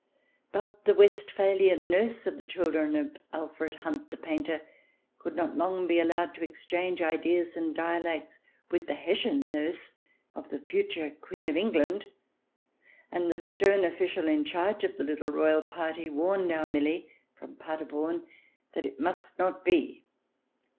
But the Westphalian nurse of the children of Alfred Hunt, the painter, could not long be allowed to exchange ideas and dialects with the Hessian nurse of the future Queen of England, and the stern official in charge of the little royal party warned our Milly — from Paderborn — that it must not be.